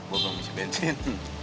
gue belum isi bensin